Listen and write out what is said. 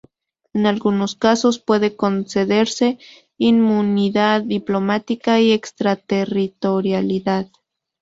En algunos casos, puede concederse inmunidad diplomática y extraterritorialidad.